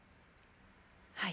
はい。